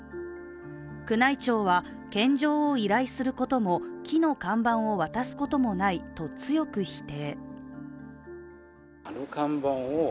宮内庁は献上を依頼することも木の看板を渡すこともないと強く否定。